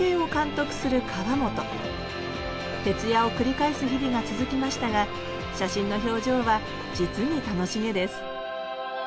徹夜を繰り返す日々が続きましたが写真の表情は実に楽しげです